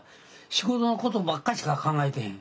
仕事のことばっかしか考えてへん。